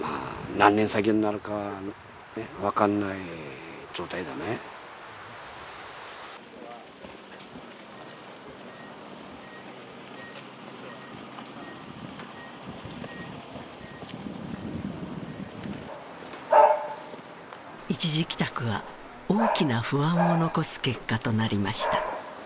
何年先になるかわかんない状態だね一時帰宅は大きな不安を残す結果となりました